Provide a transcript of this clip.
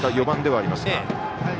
４番ではありますが。